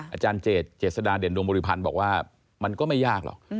อาจารย์เจษฎาเด่นดวงบริพันธ์บอกว่ามันก็ไม่ยากหรอก